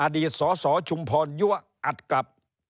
อดีตสสชุมพรยั่วอัดกลับ